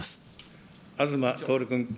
東徹君。